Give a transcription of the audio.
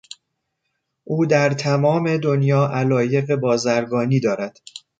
او در تمام دنیا علایق بازرگانی دارد.